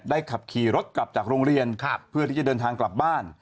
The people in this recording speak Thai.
ขับขี่รถกลับจากโรงเรียนเพื่อที่จะเดินทางกลับบ้าน